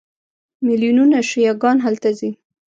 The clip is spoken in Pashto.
میلیونونه شیعه ګان هلته ځي.